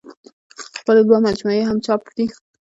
خپلې دوه مجموعې يې هم چاپ دي